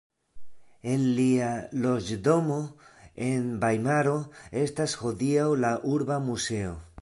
En lia loĝdomo en Vajmaro estas hodiaŭ la Urba muzeo.